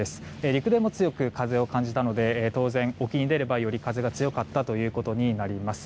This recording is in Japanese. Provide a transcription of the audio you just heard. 陸でも強く風を感じたので当然、沖に出ればより風が強かったということになります。